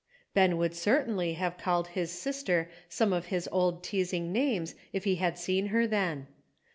Ben would certainly have called his sister some of his old teasing names if he had seen her then